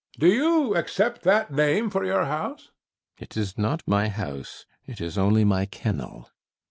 Do you accept that name for your house? CAPTAIN SHOTOVER. It is not my house: it is only my kennel.